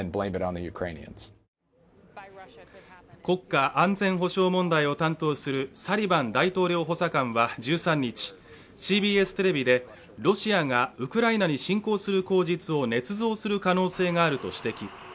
国家安全保障問題を担当するサリバン大統領補佐官は１３日、ＣＢＳテレビでロシアがウクライナに侵攻する口実をねつ造する可能性があると指摘。